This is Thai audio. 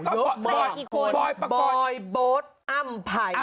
โบยโบสอั้มไผ่